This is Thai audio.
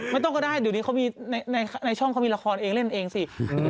ก็ได้เดี๋ยวนี้เขามีในช่องเขามีละครเองเล่นเองสิ